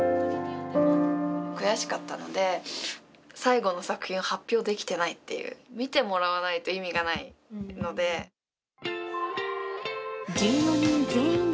悔しかったので、最後の作品を発表できてないっていう、見てもらわないと意味がないので。